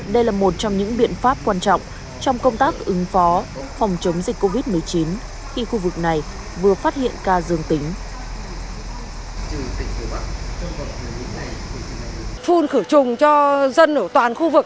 đây là một trong những biện pháp quan trọng trong công tác ứng phó phòng chống dịch covid một mươi chín khi khu vực này vừa phát hiện ca dương tính